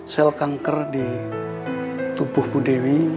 sel kanker di tubuh bu dewi